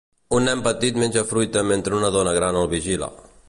Un nen petit menja fruita mentre una dona gran el vigila.